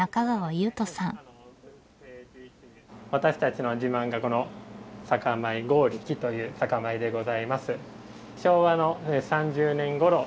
私たちの自慢がこの酒米強力という酒米でございます。